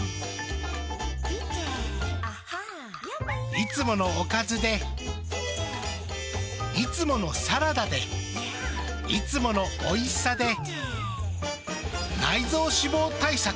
いつものおかずでいつものサラダでいつものおいしさで内臓脂肪対策。